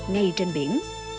ngay trên biển